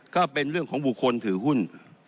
ก็เป็นเรื่องของบุคคลถือหุ้น